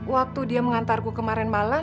waktu dia mengantarku kemarin malam